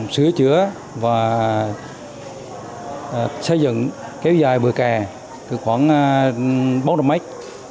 sửa chữa và xây dựng kéo dài bờ kè từ khoảng bốn năm mét